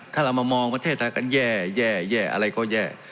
ถ้าเรามามองประเทศไทยกันแย่แย่อะไรก็แย่